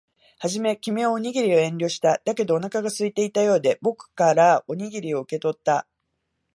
はじめ、君はおにぎりを遠慮した。だけど、お腹が空いていたようで、僕からおにぎりを受け取った。